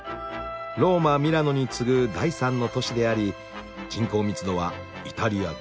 ローマミラノに次ぐ第３の都市であり人口密度はイタリア随一」。